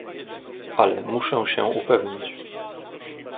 "Ale muszę się upewnić."